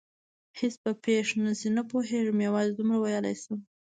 هېڅ به پېښ نه شي؟ نه پوهېږم، یوازې دومره ویلای شم.